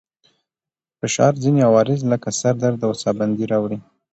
فشار ځينې عوارض لکه سر درد او ساه بندي راوړي.